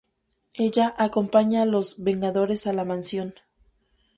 Ella acompaña a los Vengadores a la mansión.